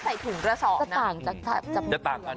จับงูจงอางมันจะค่อยสังแบบนี้จะไม่ค่อยใส่ถุงกระสอบนะ